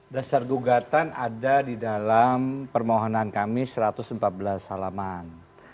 dasar gugatan ada di dalam permohonan kami satu ratus empat belas salaman